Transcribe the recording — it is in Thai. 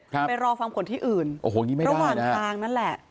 ไปรอฟังผลที่อื่นโอ้โหนี่ไม่ได้นะระหว่างทางนั้นแหละ